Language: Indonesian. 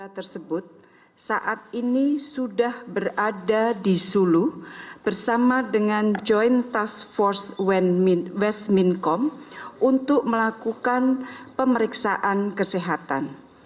tersebut saat ini sudah berada di sulu bersama dengan joint task force westmincom untuk melakukan pemeriksaan kesehatan